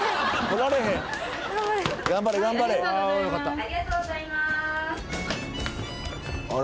ありがとうございますあら？